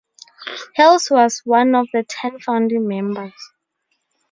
Hales was one of the ten founding members.